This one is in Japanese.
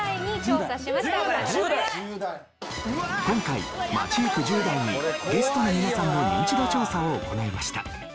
今回街行く１０代にゲストの皆さんのニンチド調査を行いました。